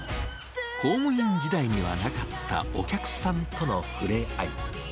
公務員時代にはなかったお客さんとの触れ合い。